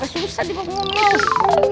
susah dibangun mas